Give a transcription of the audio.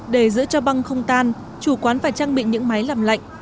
để giữ cho băng không tan chủ quán phải trang bị những máy làm lạnh